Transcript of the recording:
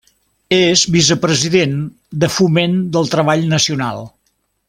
És vicepresident de Foment del Treball Nacional.